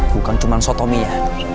bukan cuma sholat tominya